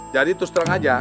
jadi terus terang aja